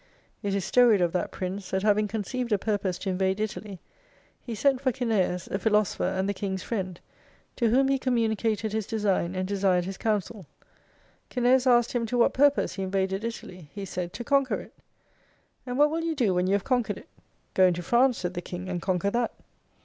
It is storied of that prince, that having conceived a purpose to invade Italy, he sent for Cineas, a philosopher and the King's friend : to whom he com municated his design, and desired his counsel. Cineas asked him to what purpose he invaded Italy ? He said, to conquer it. And what will you do when you have conquered it ? Go into France, said the King, and conquer that.